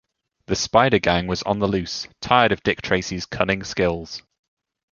The Spider Gang was on the loose, tired of Dick Tracy's cunning skills.